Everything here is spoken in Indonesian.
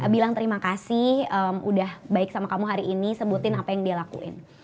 bilang terima kasih udah baik sama kamu hari ini sebutin apa yang dia lakuin